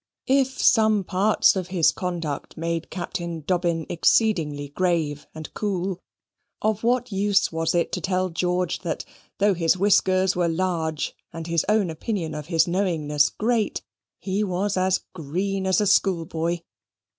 If some parts of his conduct made Captain Dobbin exceedingly grave and cool; of what use was it to tell George that, though his whiskers were large, and his own opinion of his knowingness great, he was as green as a schoolboy?